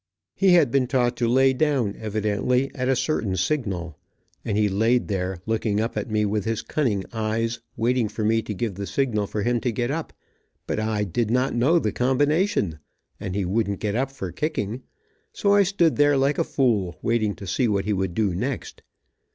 He had been taught to lay down, evidently, at a certain signal. And he laid there, looking up at me with his cunning eyes, waiting for me to give the signal for him to get up, but I "did not know the combination," and he wouldn't get up for kicking, so I stood there like a fool waiting to see what he would do next.